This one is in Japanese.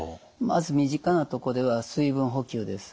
まず身近なとこでは水分補給です。